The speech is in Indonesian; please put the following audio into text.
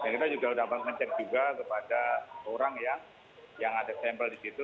kita juga dapat mengecek juga kepada orang yang ada sampel di situ